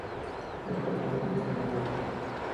Es patrón de la ciudad de Burgos.